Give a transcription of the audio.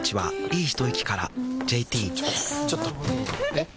えっ⁉